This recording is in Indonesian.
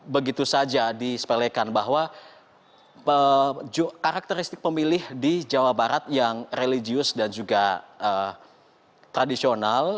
begitu saja disepelekan bahwa karakteristik pemilih di jawa barat yang religius dan juga tradisional